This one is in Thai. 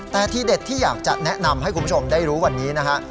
แต่ทีเด็ดที่อยากจะแนะนำให้คุณผู้ชมได้รู้วันนี้นะฮะ